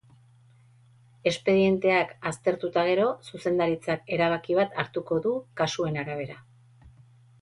Espedienteak aztertu eta gero, zuzendaritzak erabaki bat hartuko du kasuen arabera.